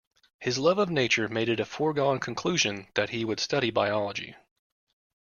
His love of nature made it a foregone conclusion that he would study biology